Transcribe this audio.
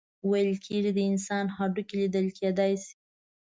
ویل کیږي د انسان هډوکي لیدل کیدی شي.